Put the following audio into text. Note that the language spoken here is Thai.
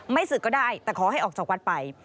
ศึกก็ได้แต่ขอให้ออกจากวัดไป